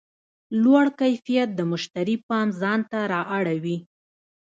لوړ کیفیت د مشتری پام ځان ته رااړوي.